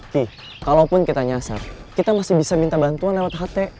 nih kalaupun kita nyasar kita masih bisa minta bantuan lewat ht